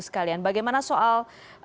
sekalian bagaimana soal